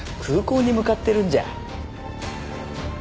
空港に向かってるんじゃ？